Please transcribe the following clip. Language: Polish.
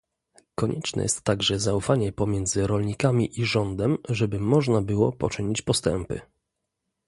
Konieczne jest także zaufanie pomiędzy rolnikami i rządem, żeby można było poczynić postępy